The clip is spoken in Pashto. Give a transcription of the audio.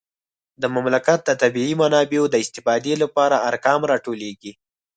د مملکت د طبیعي منابعو د استفادې لپاره ارقام راټولیږي